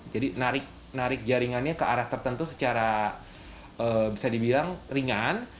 jadi narik jaringannya ke arah tertentu secara ringan